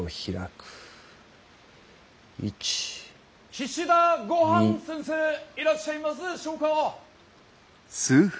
・岸田ゴハン先生いらっしゃいますでしょうか。